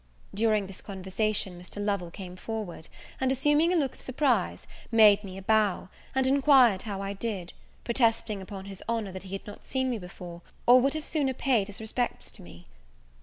During this conversation Mr. Lovel came forward, and assuming a look of surprise, made me a bow, and inquired how I did, protesting upon his honour, that he had not seen me before, or would have sooner paid his respects to me.